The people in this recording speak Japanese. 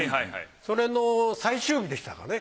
それの最終日でしたかね。